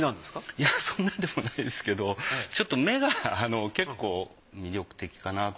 いやそんなんでもないですけどちょっと目が結構魅力的かなと。